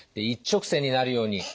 一直線になるように。